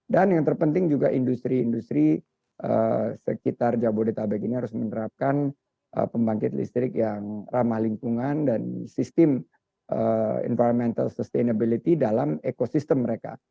dan yang terpenting juga industri industri sekitar jabodetabek ini harus menerapkan pembangkit listrik yang ramah lingkungan dan sistem environmental sustainability dalam ekosistem mereka